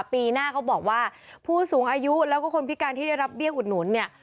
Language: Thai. ปีหน้าเขาบอกว่าผู้สูงอายุแล้วก็คนพิการที่ได้รับเบี้ยอุดหนุนเนี่ย